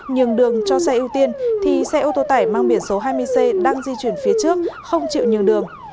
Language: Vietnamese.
nhường đường cho xe ưu tiên thì xe ô tô tải mang biển số hai mươi c đang di chuyển phía trước không chịu nhường đường